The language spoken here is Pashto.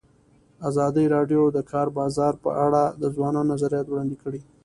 ازادي راډیو د د کار بازار په اړه د ځوانانو نظریات وړاندې کړي.